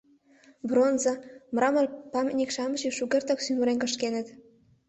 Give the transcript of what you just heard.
— Бронза, мрамор памятник-шамычым шукертак сӱмырен кышкеныт.